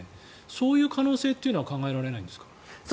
そういう可能性というのは考えられないんですか？